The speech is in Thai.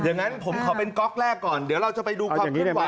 อย่างนั้นผมขอเป็นก๊อกแรกก่อนเดี๋ยวเราจะไปดูความขึ้นไห